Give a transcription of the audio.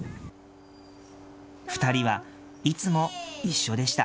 ２人はいつも一緒でした。